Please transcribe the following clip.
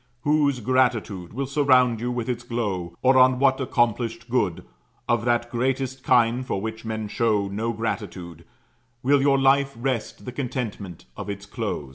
Whose gratitude will surround you with its glow, or on what accomplished good, of that greatest kind for which men show no gratitude, will your life rest the contentment of its close?